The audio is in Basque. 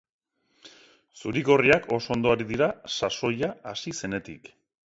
Zuri-gorriak oso ondo ari dira sasoia hasi zenetik.